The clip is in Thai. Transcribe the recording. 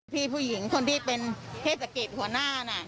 ผู้หญิงคนที่เป็นเทศกิจหัวหน้าน่ะ